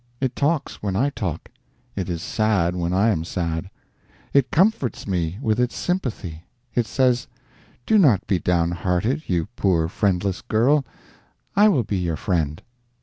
It talks when I talk; it is sad when I am sad; it comforts me with its sympathy; it says, "Do not be downhearted, you poor friendless girl; I will be your friend."